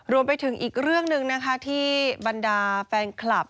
รวมไปถึงอีกเรื่องหนึ่งนะคะที่บรรดาแฟนคลับ